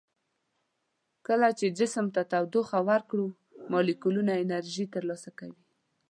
کله چې جسم ته تودوخه ورکړو مالیکولونه انرژي تر لاسه کوي.